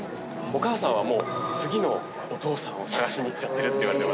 お母さんはもう次のお父さんを探しに行ってるっていわれてます。